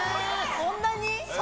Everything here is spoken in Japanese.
・そんなに？